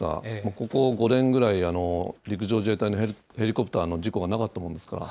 ここ５年ぐらい、陸上自衛隊のヘリコプターの事故はなかったものですから。